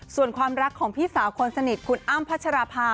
ส่วนความรักของพี่สาวคนสนิทคุณอ้ำพัชราภา